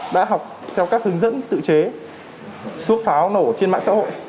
đã học theo các hướng dẫn tự chế thuốc pháo nổ trên mạng xã hội